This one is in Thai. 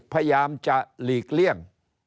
พยายามจะหลีกเลี่ยง